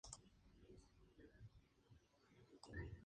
La textura de las hojas es coriácea y rígida.